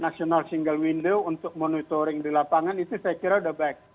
national single window untuk monitoring di lapangan itu saya kira sudah baik